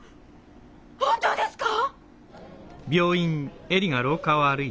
本当ですか？